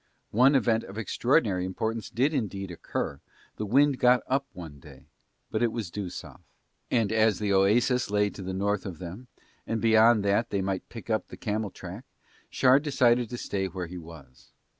One event of extraordinary importance did indeed occur, the wind got up one day, but it was due South, and as the oasis lay to the North of them and beyond that they might pick up the camel track Shard decided to stay where he was.